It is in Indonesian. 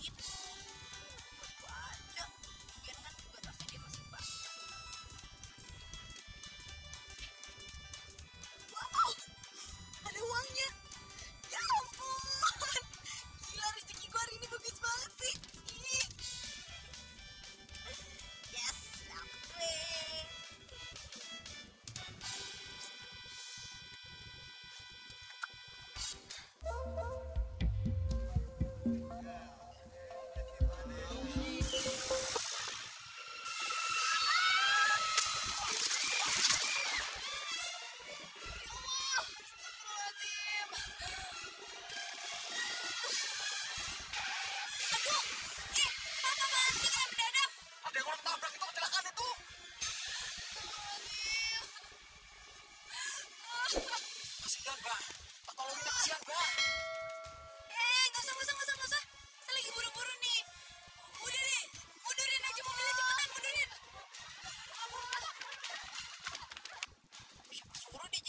terus apa fatima kira mas ngerti ya